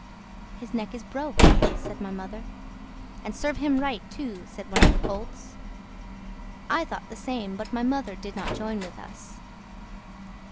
"His neck is broke," said my mother. "And serve him right, too," said one of the colts. I thought the same, but my mother did not join with us.